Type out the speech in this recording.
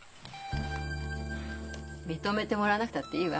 認めてもらわなくたっていいわ。